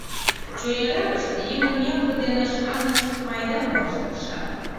Чояракышт еҥын ямде дене шканышт пайдам муаш тыршат.